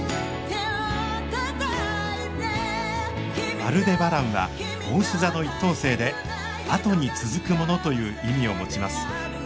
アルデバランはおうし座の１等星で「後に続くもの」という意味を持ちます。